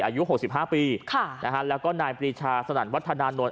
อายุหกสิบห้าปีค่ะนะฮะแล้วก็นายปริชาสนันวัฒนานนท์